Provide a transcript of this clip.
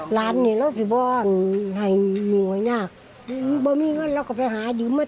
ให้มีเงินอย่างน้ำไม่มีเงินเราก็ไปหาดิวมะถือน้ำ